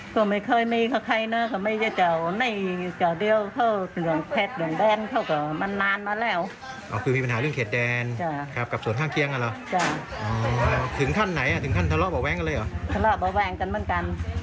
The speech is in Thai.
ก็ไม่เคยมีใครนะก็ไม่ใช่เจ้านี่เจ้าเด้อเขา